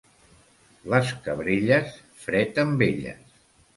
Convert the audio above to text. Les cabrelles, fred amb elles.